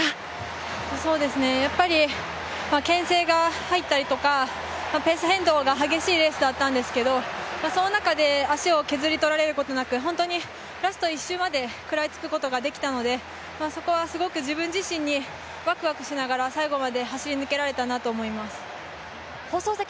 やっぱりけん制が入ったりとかペース変動が激しいレースだったんですけど、その中で足を削り取られることなく、本当にラスト１周まで食らいつくことができたのでそこはすごく自分自身にワクワクしながら最後まで走り抜けられたと思います。